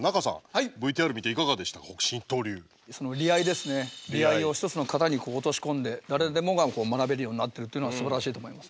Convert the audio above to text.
その理合ですね理合を一つの型に落とし込んで誰でもが学べるようになってるっていうのはすばらしいと思いますね。